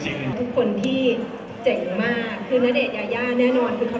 เสียงปลดมือจังกัน